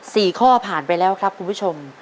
สี่ข้อผ่านไปแล้วครับคุณผู้ชม